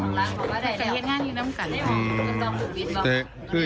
พ่อพูดว่าพ่อพูดว่าพ่อพูดว่า